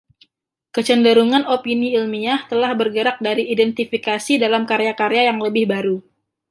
Kecenderungan opini ilmiah telah bergerak dari identifikasi dalam karya-karya yang lebih baru.